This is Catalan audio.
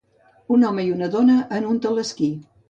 Un home i una dona en un teleesquí.